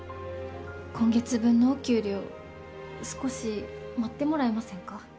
今月分のお給料少し待ってもらえませんか？